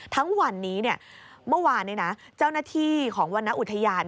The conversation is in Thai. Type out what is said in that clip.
ทั้งวันนี้เมื่อวานเจ้าหน้าที่ของวรรณอุทยาน